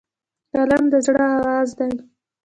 قلم د زړه آواز دی